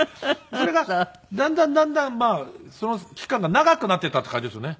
それがだんだんだんだんその期間が長くなっていったっていう感じですよね。